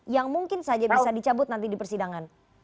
yang mungkin saja bisa dicabut nanti di persidangan